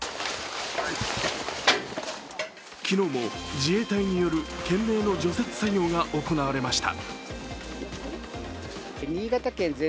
昨日も自衛隊による懸命の除雪作業が行われました。